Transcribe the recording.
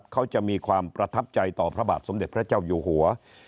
เขาจะมีความประทับใจต่อพระบาทสมเด็จพระเจ้าอยู่หัว